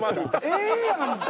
ええやんか！